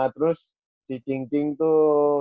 terus si cing cing tuh